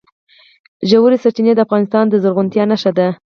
ژورې سرچینې د افغانستان د زرغونتیا نښه ده.